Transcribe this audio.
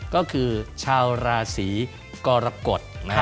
ก็คือชาวราศีกรกฎ